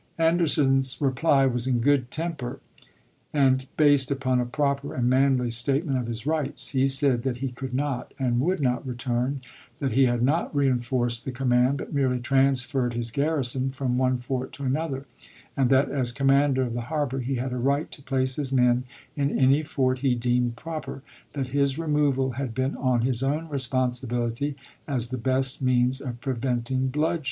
Anderson's reply was in good temper, and based upon a proper and manly state ment of his rights. He said that he could not and would not return, that he had not reenforced the command, but merely transferred bis garrison from one fort to another, and that as commander of the harbor he had a right to place his men in any fort he deemed proper ; that his removal had been on his own responsibility, as the best means of pre venting bloodshed.